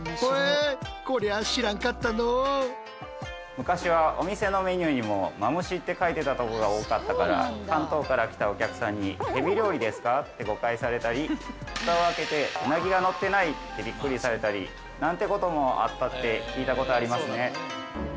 昔はお店のメニューにも「まむし」って書いてたところが多かったから関東から来たお客さんに「へび料理ですか？」って誤解されたり蓋を開けて「うなぎがのってない！」ってビックリされたりなんてこともあったって聞いたことありますね。